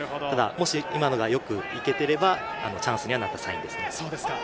今のもよく行けていれば、チャンスにはなったサインですね。